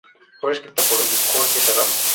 Fue escrita por Jorge Serrano.